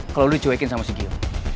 kalau lu dicuekin sama si gio